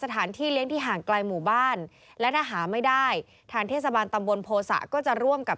ท่านเทศบาลตำบลโภษาก็จะร่วมกับ